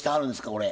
これ。